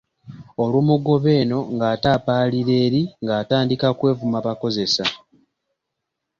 Olumugoba eno ng'ate apaalira eri nga atandika kwevuma bakozesa.